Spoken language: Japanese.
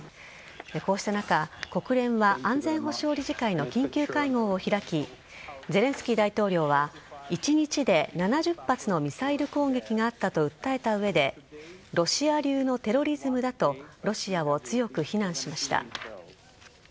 こうした中、国連は安全保障理事会の緊急会合を開きゼレンスキー大統領は、一日で７０発のミサイル攻撃があったと訴えた上でロシア流のテロリズムだとロシアを強く非難しました。